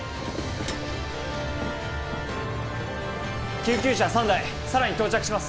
救急車３台さらに到着します